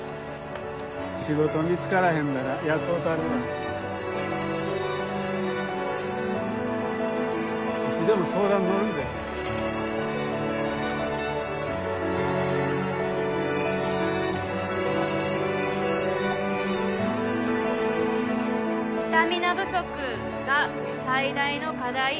仕事見つからへんだら雇うたるわいつでも相談のるで「スタミナ不足が最大の課題」